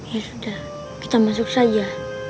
ya sudah kita masuk saja